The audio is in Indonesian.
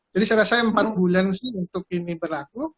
jadi saya rasa empat bulan sih untuk ini berlaku